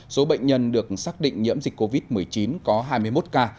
số bệnh nhân được xác định nhiễm dịch covid một mươi chín có hai mươi một ca